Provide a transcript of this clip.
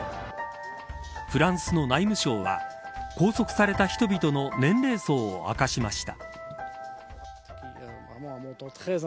フランスの内務相は拘束された人々の年齢層を明かしました。